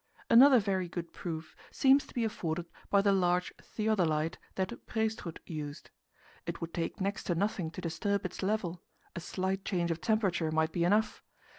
Another very good proof seems to be afforded by the large theodolite that Prestrud used. It would take next to nothing to disturb its level a slight change of temperature might be enough.